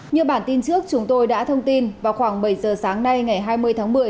như bản tin trước chúng tôi đã thông tin vào khoảng bảy giờ sáng nay ngày hai mươi tháng một mươi